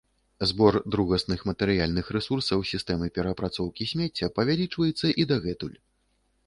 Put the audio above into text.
Збор другасных матэрыяльных рэсурсаў сістэмы пераапрацоўкі смецця павялічваецца і дагэтуль